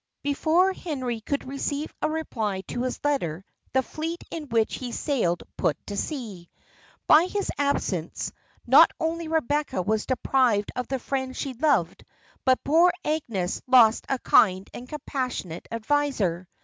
Before Henry could receive a reply to his letter, the fleet in which he sailed put to sea. By his absence, not only Rebecca was deprived of the friend she loved, but poor Agnes lost a kind and compassionate adviser.